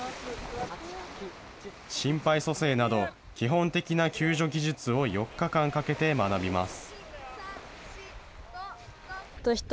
心肺蘇生など、基本的な救助技術を４日間かけて学びます。